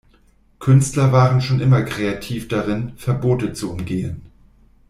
Künstler waren schon immer kreativ darin, Verbote zu umgehen.